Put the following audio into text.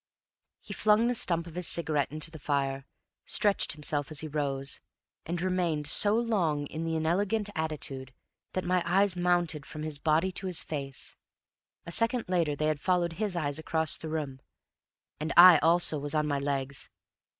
He flung the stump of his cigarette into the fire, stretched himself as he rose, and remained so long in the inelegant attitude that my eyes mounted from his body to his face; a second later they had followed his eyes across the room, and I also was on my legs.